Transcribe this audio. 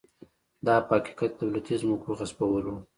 دا په حقیقت کې د دولتي ځمکو غصبول و.